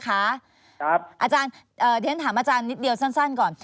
อาจารย์เดี๋ยวฉันถามอาจารย์นิดเดียวสั้นก่อน